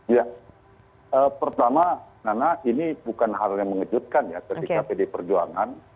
ya pertama nana ini bukan hal yang mengejutkan ya ketika pdi perjuangan